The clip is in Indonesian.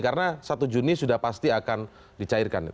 karena satu juni sudah pasti akan dicairkan